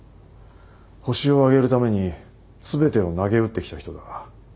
ホシを挙げるために全てをなげうってきた人だ。